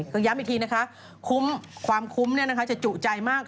ก็ย้ำอีกทีนะคะคุ้มความคุ้มจะจุใจมาก